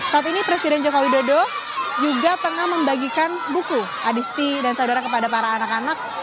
saat ini presiden joko widodo juga tengah membagikan buku adisti dan saudara kepada para anak anak